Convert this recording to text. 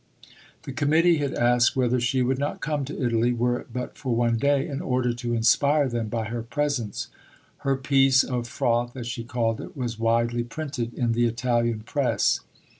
" The Committee had asked whether she would not come to Italy "were it but for one day" in order to inspire them by her presence. Her piece of "froth" (as she called it) was widely printed in the Italian press.